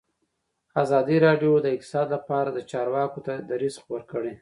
ازادي راډیو د اقتصاد لپاره د چارواکو دریځ خپور کړی.